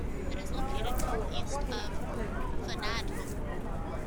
It is located northeast of Fonadhoo.